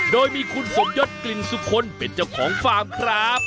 โดยมีคุณสมยศกลิ่นสุคลเป็นเจ้าของฟาร์มครับ